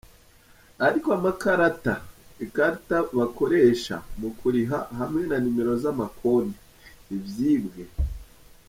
Ariko amakarata ikarata bakoresha mu kuriha hamwe na nimero z’amakonte ntivyibwe.